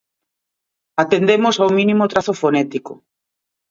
Atendemos ao mínimo trazo fonético.